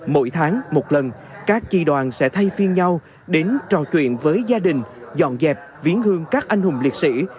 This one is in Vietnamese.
mỗi tháng một lần các chi đoàn sẽ thay phiên nhau đến trò chuyện với gia đình dọn dẹp viến hương các anh hùng liệt sĩ